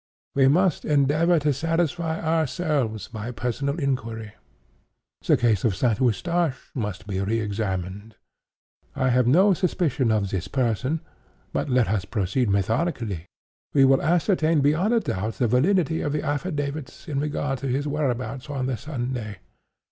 We must endeavor to satisfy ourselves by personal inquiry. The case of St. Eustache must be re examined. I have no suspicion of this person; but let us proceed methodically. We will ascertain beyond a doubt the validity of the affidavits in regard to his whereabouts on the Sunday.